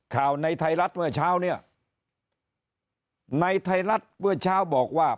ในไทยรัฐเมื่อเช้าเนี่ยในไทยรัฐเมื่อเช้าบอกว่า